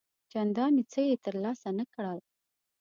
چنداني څه یې تر لاسه نه کړل.